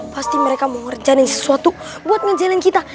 pasti mereka mau ngerjain sesuatu buat ngejahilin kita